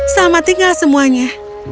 selamat tinggal semuanya